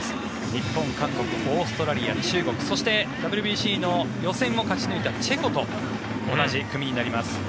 日本、韓国、オーストラリア中国そしてＷＢＣの予選を勝ち抜いたチェコと同じ組になります。